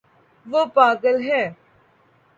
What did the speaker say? وہ پاگل ہے